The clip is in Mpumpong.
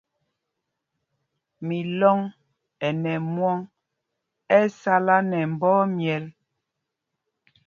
Milɔŋ ɛ nɛ ɛmwɔŋ, ɛ sala nɛ mbɔ ɛmyɛl.